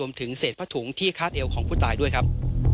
รวมถึงเศษพะถุงที่ฆาตเอลของผู้ตายด้วยครับ